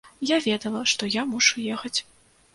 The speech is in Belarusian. Я ведала, што я мушу ехаць.